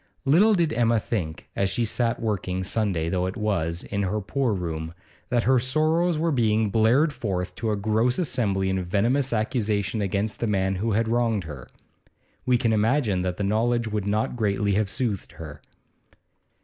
Little did Emma think, as she sat working, Sunday though it was, in her poor room, that her sorrows were being blared forth to a gross assembly in venomous accusation against the man who had wronged her. We can imagine that the knowledge would not greatly have soothed her.